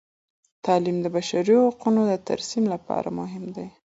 تعلیم د بشري حقونو د ترسیم لپاره مهم دی.